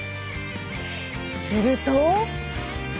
すると。